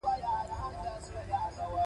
په پاتې څپرکو کې به پراخ بحثونه وکړو.